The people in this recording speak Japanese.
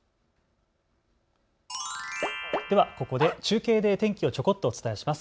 ではここで中継で天気をちょこっとお伝えします。